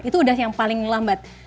itu udah yang paling lambat